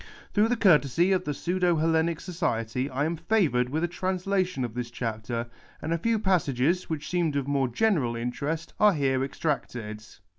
Through the courtesy of the Pseudo Hellenic Society I am favoured with a translation of this chapter, and a few passages, which .seemed of more general interest, are here extracted.